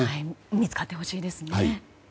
見つかってほしいですね。